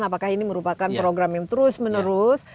apakah ini merupakan program yang terus menerus